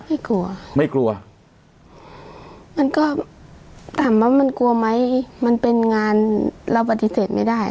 ไม่กลัวไม่กลัวมันก็ถามว่ามันกลัวไหมมันเป็นงานเราปฏิเสธไม่ได้